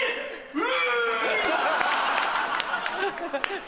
うわ！